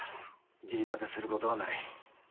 義理だてすることはない。